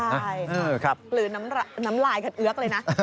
ใช่กลืนน้ำลายกันเอื้อกเลยนะ